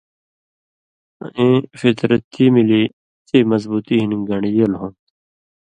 ایں فطرتی ملی چٸ مضبوطی ہِن گن٘ڈژیلہ ہوں تھو۔